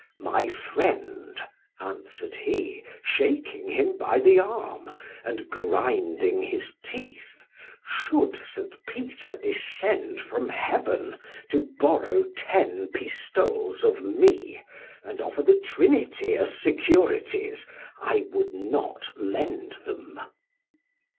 "My friend," answered he, shaking him by the arm, and grinding his teeth, "Should St. Peter descend from heaven to borrow ten pistoles of me, and offer the Trinity as securities, I would not lend them."